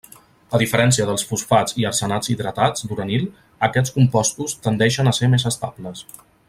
A diferència dels fosfats i arsenats hidratats d'uranil, aquests compostos tendeixen a ser més estables.